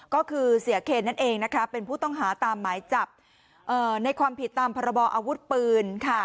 ก็คือเสียเคนนั่นเองเป็นผู้ต้องหาตามหมายจับในความผิดตามพรบออาวุธปืน